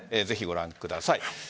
ぜひ、ご覧ください。